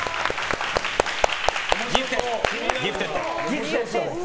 「ギフテッド」です。